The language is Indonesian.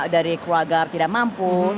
dari keluarga tidak mampu